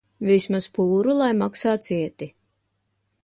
Vismaz pūru lai maksā cieti.